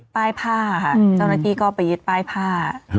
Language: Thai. ป้ายผ้าค่ะเจ้าหน้าที่ก็ไปยึดป้ายผ้า